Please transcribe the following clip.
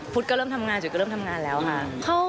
ก็เริ่มทำงานจุ๊ก็เริ่มทำงานแล้วค่ะ